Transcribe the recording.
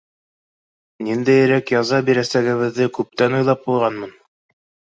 — Ниндәйерәк яза бирәсәгебеҙҙе күптән уйлап ҡуйғанмын.